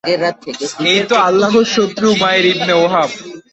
এই তো আল্লাহর শত্রু উমাইর ইবনে ওহাব।